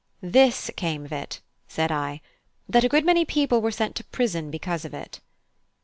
"This came of it," said I, "that a good many people were sent to prison because of it."